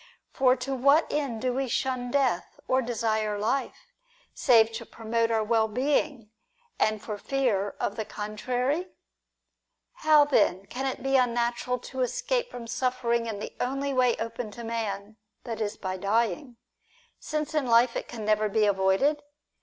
For to what end do we shun death, or desire life, save to promote our well being, and for fear of the contrary ? How then can it be unnatural to escape from suffer ing in the only way open to man, that is, by dying ; since in life it can never be avoided